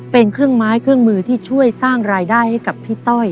เป็นเครื่องไม้เครื่องมือที่ช่วยสร้างรายได้ให้กับพี่ต้อย